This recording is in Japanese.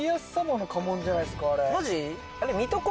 マジ？